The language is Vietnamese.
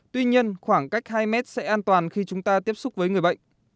tuy nhiên khoảng cách hai mét sẽ an toàn khi chúng ta tiếp xúc với người bệnh